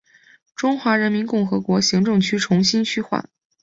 中华人民共和国行政区重新区划。